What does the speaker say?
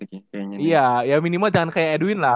iya ya minimal jangan kayak edwin lah